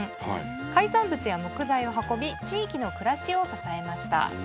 海産物や木材を運び地域の暮らしを支えました。